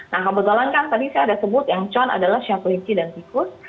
nah kebetulan kan tadi saya ada sebut yang ciong adalah show kelingki dan tikus